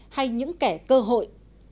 hay những kẻ cơ hội